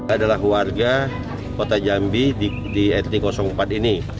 adalah warga kota jambi di rt empat ini